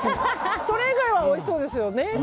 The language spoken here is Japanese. それ以外はおいしそうですよね。